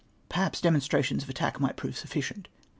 Perhaps demonstra tions of attack might prove sufficient.